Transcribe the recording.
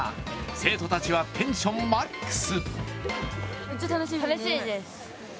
生徒たちはテンションマックス。